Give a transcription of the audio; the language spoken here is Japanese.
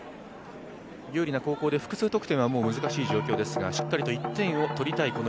有利な後攻でもう複数得点は難しい状況ですがしっかりと１点を取りたい